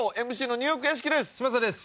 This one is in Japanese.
ＭＣのニューヨーク屋敷です。